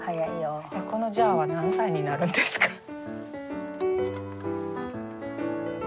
このジャーは何歳になるんですか？